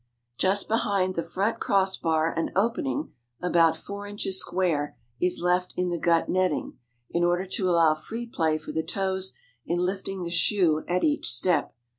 Just behind the front cross bar an opening about four inches square is left in the gut netting, in order to allow free play for the toes in lifting the shoe at each step.